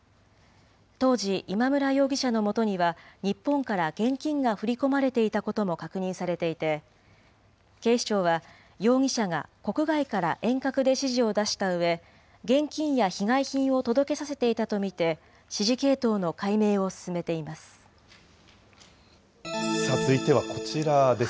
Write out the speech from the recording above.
当時、今村容疑者のもとには日本から現金が振り込まれていたことも確認されていて、警視庁は容疑者が国外から遠隔で指示を出したうえ、現金や被害品を届けさせていたと見て、指示系統の解明を進めてい続いてはこちらです。